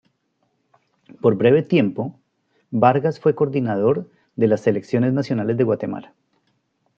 Por breve tiempo, Vargas fue coordinador de las selecciones nacionales de Guatemala.